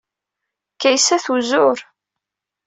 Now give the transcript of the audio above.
Kaysa tuzur.